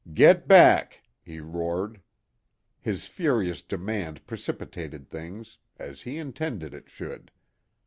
"Get back!" he roared. His furious demand precipitated things, as he intended it should.